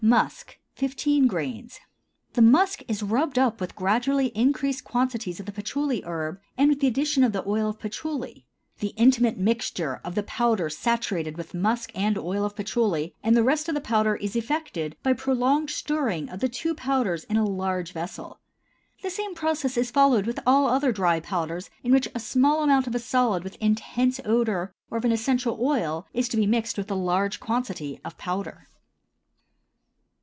Musk 15 grains. The musk is rubbed up with gradually increased quantities of the patchouly herb and with the addition of the oil of patchouly; the intimate mixture of the powder saturated with musk and oil of patchouly and the rest of the powder is effected by prolonged stirring of the two powders in a large vessel. The same process is followed with all other dry powders in which a small amount of a solid with intense odor or of an essential oil is to be mixed with a large quantity of powder.